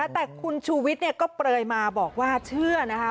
แต่คุณชูวิทย์ก็เปลยมาบอกว่าเชื่อนะคะ